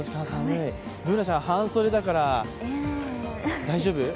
Ｂｏｏｎａちゃん、半袖だから大丈夫？